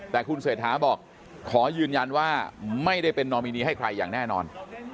แต่คุณเศรษฐาบอกขอยืนยันว่าไม่ได้เป็นนอมินีให้ใครอย่างแน่นอน